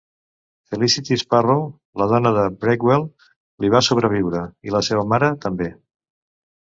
Felicity Sparrow, la dona de Breakwell, li va sobreviure, i la seva mare també.